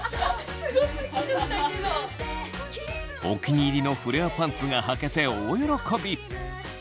お気に入りのフレアパンツがはけて大喜び。